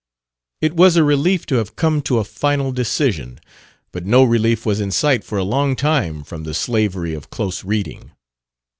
It was a relief to have come to a final decision; but no relief was in sight for a long time from the slavery of close reading.